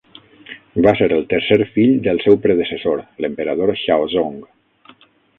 Va ser el tercer fill del seu predecessor, l'emperador Xiaozong.